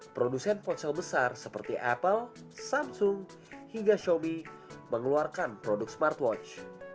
produsen ponsel besar seperti apple samsung hingga xiaomi mengeluarkan produk smartwatch